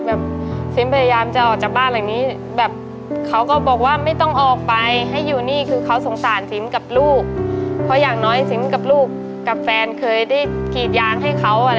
แบบซิมพยายามจะออกจากบ้านแบบนี้